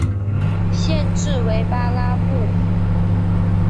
县治为巴拉布。